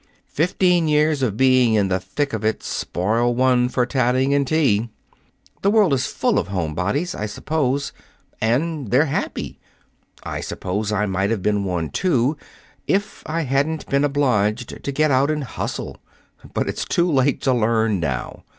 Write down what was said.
Fifteen years of being in the thick of it spoil one for tatting and tea. The world is full of homebodies, I suppose. And they're happy. I suppose I might have been one, too, if I hadn't been obliged to get out and hustle. But it's too late to learn now.